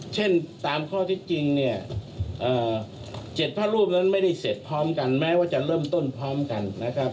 เช่นตามข้อที่จริงเนี่ย๗พระรูปนั้นไม่ได้เสร็จพร้อมกันแม้ว่าจะเริ่มต้นพร้อมกันนะครับ